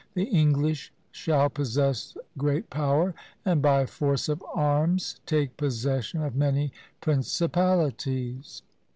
The English shall possess great power, and by force of arms take possession of many principalities.